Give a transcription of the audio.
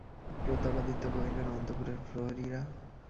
প্রতাপাদিত্য কহিলেন, অন্তঃপুরের প্রহরীরা?